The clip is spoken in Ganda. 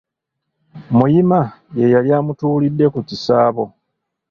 Muyima yeeyali amutuulidde ku kisaabo.